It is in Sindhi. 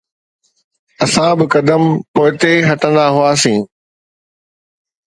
اسان ٻه قدم پوئتي هٽندا هئاسين.